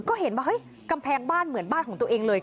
ก็เห็นว่าเฮ้ยกำแพงบ้านเหมือนบ้านของตัวเองเลย